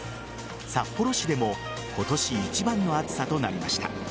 札幌市でも今年一番の暑さとなりました。